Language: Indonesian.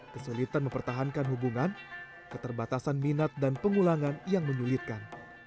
kesulitan mempertahankan hubungan keterbatasan minat dan pengulangan yang menyulitkan